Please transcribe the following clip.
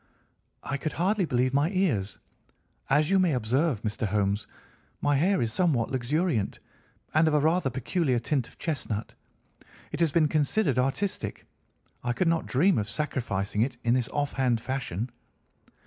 "I could hardly believe my ears. As you may observe, Mr. Holmes, my hair is somewhat luxuriant, and of a rather peculiar tint of chestnut. It has been considered artistic. I could not dream of sacrificing it in this offhand fashion.